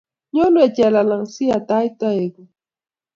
Nyon we chelalang' si taach taek kuk.